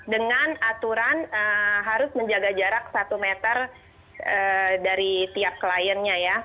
dengan aturan harus menjaga jarak satu meter dari tiap kliennya ya